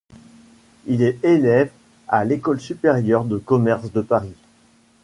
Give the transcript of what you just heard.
Il est élève à l'Ecole Supérieure de Commerce de Paris.